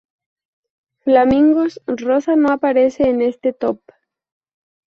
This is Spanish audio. Flamingos rosa no aparece en este top.